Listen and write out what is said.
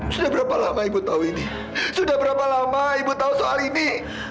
sudah berapa lama ibu tahu ini sudah berapa lama ibu tahu soal ini